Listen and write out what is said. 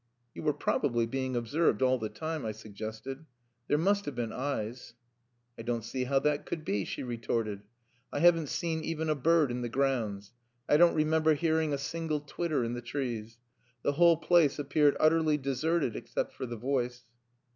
"You were probably being observed all the time," I suggested. "There must have been eyes." "I don't see how that could be," she retorted. "I haven't seen even a bird in the grounds. I don't remember hearing a single twitter in the trees. The whole place appeared utterly deserted except for the voice."